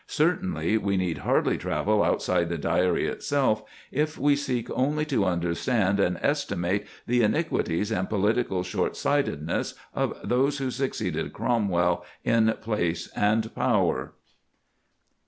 Certainly, we need hardly travel outside the Diary itself, if we seek only to understand and estimate the iniquities and political short sightedness of those who succeeded Cromwell in place and power.